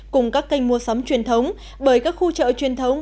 cùng các kênh mua sắm truyền thống bởi các khu chợ truyền thống